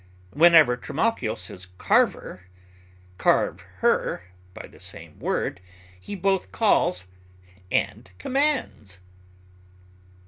Whenever Trimalchio says Carver, carve her, by the same word, he both calls and commands!"